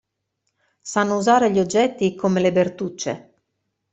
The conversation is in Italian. Sanno usare gli oggetti come le Bertucce.